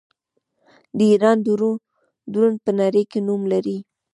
د ایران ډرون په نړۍ کې نوم لري.